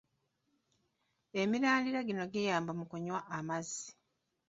Emirandira gino giyamba mu kunywa amazzi.